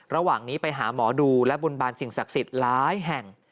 ระหว่างนี้ไปหาหมอดูและบนบานสิ่งศักดิ์สิทธิ์หลายแห่ง